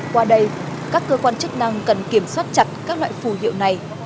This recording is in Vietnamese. qua đây các cơ quan chức năng cần kiểm soát chặt các loại phù hiệu này